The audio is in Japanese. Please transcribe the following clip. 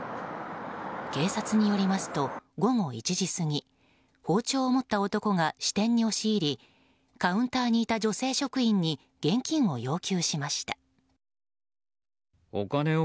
警察によりますと、午後１時過ぎ包丁を持った男が支店に押し入りカウンターにいた女性職員に現金を要求しました。